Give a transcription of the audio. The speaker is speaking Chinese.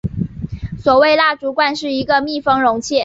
所谓蜡烛罐是一个密封容器。